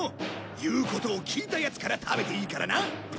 言うことを聞いたヤツから食べていいからな。